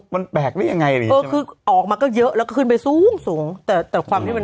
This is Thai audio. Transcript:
มันแบกได้ยังไง